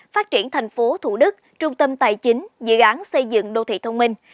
phát triển thành phố thủ đức trung tâm tài chính dự án xây dựng đô thị thông minh